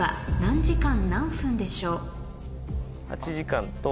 ８時間と。